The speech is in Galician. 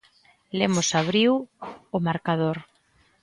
Lemos abriu o marcador.